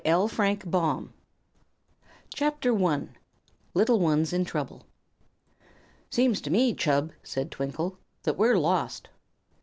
LET'S GO HOME" [CHAPTER I] Little Ones in Trouble "SEEMS to me, Chub," said Twinkle, "that we're lost."